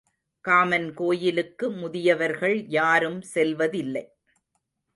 Common கோயிலுக்கு முதியவர்கள் யாரும் செல்வதில்லை.